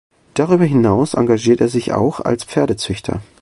Darüber hinaus engagiert er sich auch als Pferdezüchter.